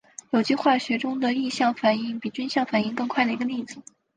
有机化学中的是异相反应比均相反应快的一个例子。